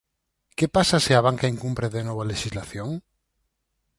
¿Que pasa se a banca incumpre de novo a lexislación?